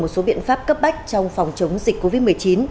một số biện pháp cấp bách trong phòng chống dịch covid một mươi chín